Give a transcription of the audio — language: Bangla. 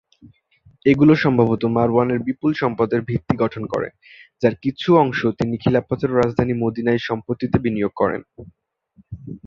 এগুলো সম্ভবত মারওয়ানের বিপুল সম্পদের ভিত্তি গঠন করে, যার কিছু অংশ তিনি খিলাফতের রাজধানী মদীনায় সম্পত্তিতে বিনিয়োগ করেন।